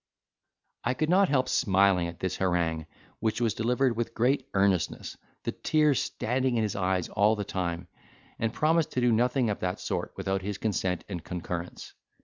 I could not help smiling at this harangue, which was delivered with great earnestness, the tears standing in his eyes all the time, and promised to do nothing of that sort without his consent and concurrence.